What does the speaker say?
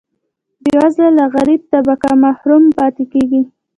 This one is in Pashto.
بیوزله او غریبه طبقه محروم پاتې کیږي.